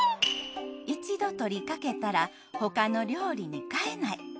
一度とりかけたら他の料理に変えない。